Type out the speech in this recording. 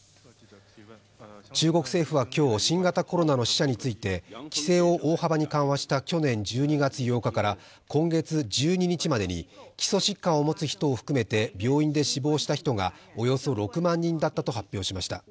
中国政府は今日、新型コロナの死者について規制を大幅に緩和した去年１２月８日から今月１２日までに基礎疾患を持つ人を含めて病院で死亡した人がおよそ６万人だったと発表しました